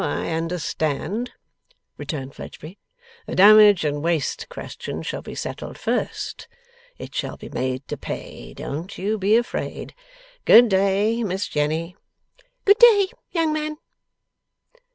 I understand,' returned Fledgeby. 'The damage and waste question shall be settled first. It shall be made to pay; don't you be afraid. Good day, Miss Jenny.' 'Good day, young man.